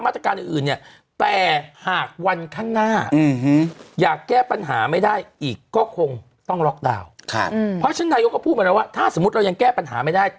ถ้าสมมุติเรายังแก้ปัญหาไม่ได้